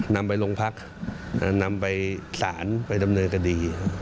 นำไปโรงพักนำไปสารไปดำเนินคดี